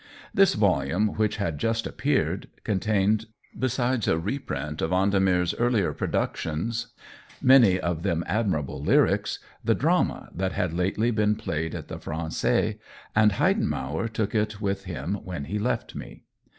This volume, which had just appeared, contained, besides a reprint of Vendemer's earlier pro ductions, many of them admirable lyrics, the drama that had lately been played at the Fran^ais, and Heidenmauer took it with him when he left me.